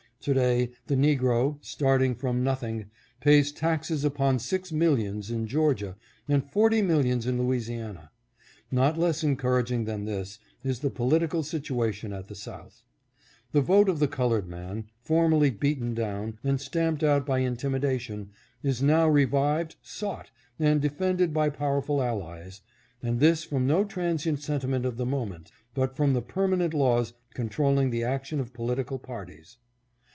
To day the negro, starting from nothing, pays taxes upon six millions in Georgia, and forty millions in Louisiana. Not less encouraging than this, is the political situation at the South. 618 AND BETTER DAYS ARE COMING. The vote of the colored man, formerly beaten down and stamped out by intimidation, is now revived, sought, and defended by powerful allies, and this from no tran sient sentiment of the moment, but from the permanent laws controlling the action of political parties.